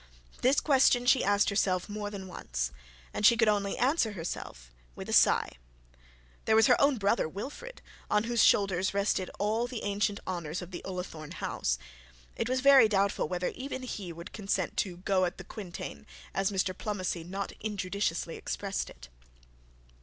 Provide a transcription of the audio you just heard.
This question she asked herself more than once, and she could only answer herself with a sigh. There was her own brother Wilfred, on whose shoulders rested the all the ancient honours of Ullathorne House; it was very doubtful whether even he would consent to 'go at the quintain', as Mr Pomney not injudiciously expressed it.